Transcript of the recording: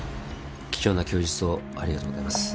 貴重な供述をありがとうございます。